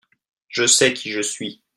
Je sais qui je suis.